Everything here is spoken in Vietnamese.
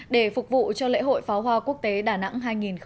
để phục vụ cho lễ hội pháo hoa quốc tế đà nẵng hai nghìn một mươi bảy